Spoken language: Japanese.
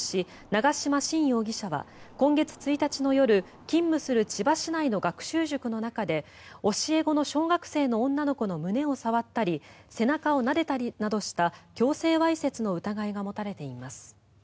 長島新容疑者は今月１日の夜勤務する千葉市内の学習塾の中で教え子の小学生の女の子の胸を触ったり背中をなでたりなどした強制わいせつの疑いが持たれています。